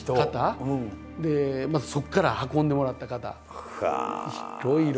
またそこから運んでもらった方いろいろ。